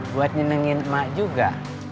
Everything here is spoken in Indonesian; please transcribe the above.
buat nyenengin emak juga